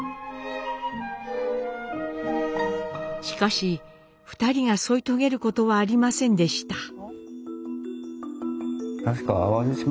しかし２人が添い遂げることはありませんでした。